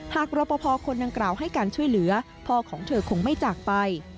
กรปภคนดังกล่าวให้การช่วยเหลือพ่อของเธอคงไม่จากไป